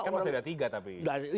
kan masih ada tiga tapi